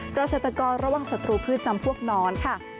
กระเศษตะกรระหว่างสตรูพืชจำพวกนอนค่ะ